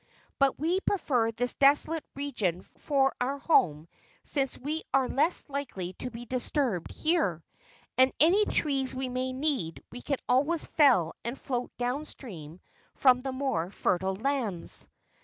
But we prefer this desolate region for our home since we are less likely to be disturbed here. And any trees we may need we can always fell and float downstream from the more fertile lands."